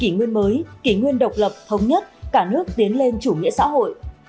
kỷ nguyên mới kỷ nguyên độc lập thống nhất cả nước tiến lên chủ nghĩa xã hội